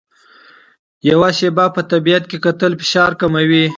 یو شېبه په طبیعت کې کتل فشار کموي.